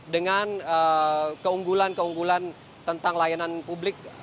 dengan keunggulan keunggulan tentang layanan publik